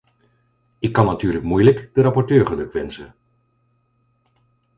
Ik kan natuurlijk moeilijk de rapporteur gelukwensen.